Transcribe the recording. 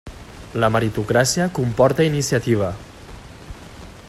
La meritocràcia comporta iniciativa.